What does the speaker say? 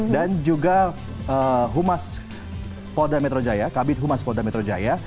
dan juga humas kabit polda metro jaya